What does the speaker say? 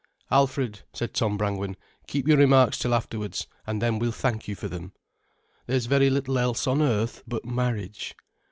"Alfred," said Tom Brangwen, "keep your remarks till afterwards, and then we'll thank you for them.—There's very little else, on earth, but marriage.